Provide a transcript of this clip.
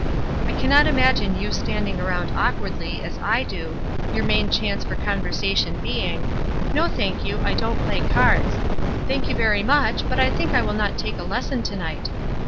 I cannot imagine you standing around awkwardly SCRUPLES 97 as I do, your main chance for conversation being, *No, thank you, I don't play cards.' 'Thank you very much, but I think I will not take a lesson to night.'